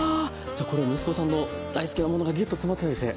これ息子さんの大好きなものがギュッと詰まってたりして。